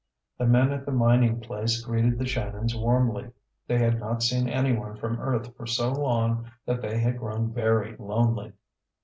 The men at the mining place greeted the Shannons warmly. They had not seen anyone from Earth for so long that they had grown very lonely.